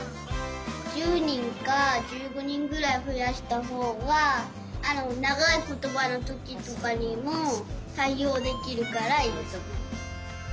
１０にんか１５にんぐらいふやしたほうがながいことばのときとかにもたいおうできるからいいとおもう。